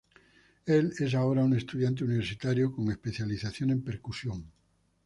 Él es ahora un estudiante universitario con especialización en percusión.